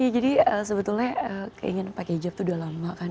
jadi sebetulnya keinginan pakai hijab itu udah lama kan